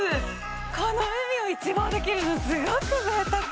この海を一望できるの、すごくぜいたく。